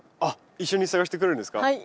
あっ一緒に探してくれるんですか？